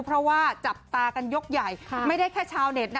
เพราะว่าจับตากันยกใหญ่ไม่ได้แค่ชาวเน็ตนะ